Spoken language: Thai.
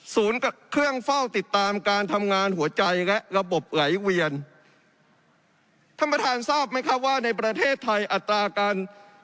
กับเครื่องเฝ้าติดตามการทำงานหัวใจและระบบไหลเวียนท่านประธานทราบไหมครับว่าในประเทศไทยอัตราการ